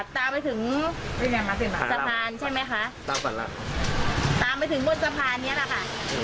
ตามไปถึงสะพานใช่ไหมคะตามไปถึงบนสะพานนี้แหละค่ะ